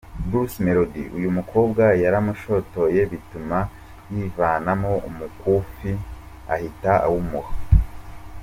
Bruce Melody uyu mukobwa yaramushotoye bituma yivanamo umukufi ahita awumuha.